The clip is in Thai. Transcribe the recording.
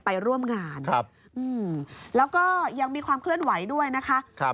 แล้วก็ยังมีความเคลื่อนไหวด้วยนะคะ